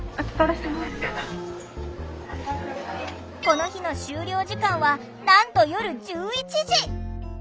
この日の終了時間はなんと夜１１時。